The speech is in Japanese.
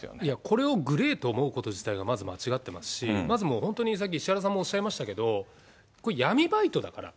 これをグレーと思うこと自体がまず間違っていますし、まずもう、本当にさっき石原さんもおっしゃいましたけど、これ、闇バイトだから。